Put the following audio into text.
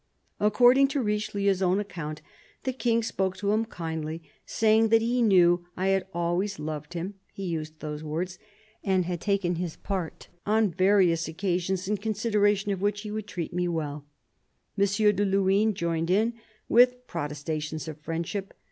According to Richelieu's own account, the King spoke to him kindly —" saying that he knew I had always loved him (he used those words) and had taken his part on various occasions, in consideration of which he would treat me well." M. de Luynes joined in, with protestations of friend ship.